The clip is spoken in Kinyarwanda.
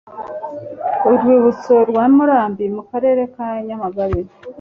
uwibutso rwa murambi mu karere ka nyamagabe